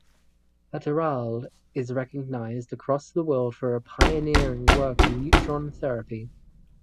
Catterall is recognised across the world for her pioneering work in neutron therapy.